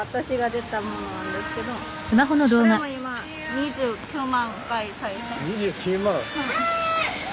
２９万？